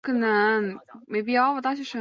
紫君兼擅演唱华语歌曲及歌仔戏。